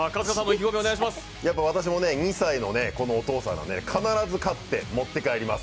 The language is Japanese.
私もね２歳の子のお父さんなんで、必ず勝って持って帰ります。